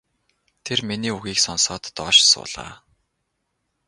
Тэр миний үгийг сонсоод доош суулаа.